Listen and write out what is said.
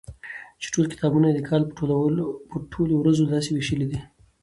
چي ټول کتابونه يي د کال په ټولو ورځو داسي ويشلي دي